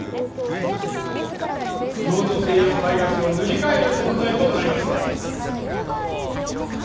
日本の西洋絵画史を塗り替える存在となりましょう。